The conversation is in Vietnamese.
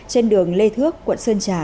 trên đường lê thước quận sơn trà